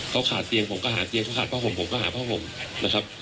เขาขาดเตียงผมก็หาเตียงเขาขาดผ้าห่มผมก็หาผ้าห่มนะครับ